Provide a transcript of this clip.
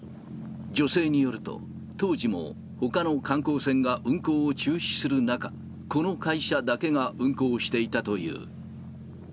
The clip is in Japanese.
女性によると、当時もほかの観光船が運航を中止する中、この会社だけが運航していたという。